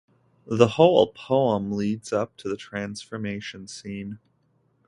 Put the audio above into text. The whole poem leads up to the transformation scene..